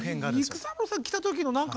育三郎さん来た時の何かね